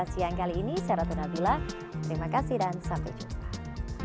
siang kali ini saya ratu nabila terima kasih dan sampai jumpa